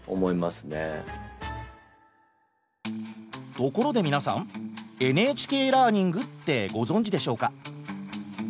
ところで皆さんＮＨＫラーニングってご存じでしょうか？